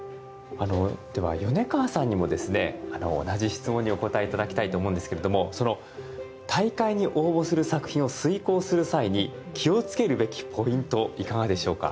では米川さんにも同じ質問にお答え頂きたいと思うんですけれども大会に応募する作品を推こうする際に気を付けるべきポイントいかがでしょうか？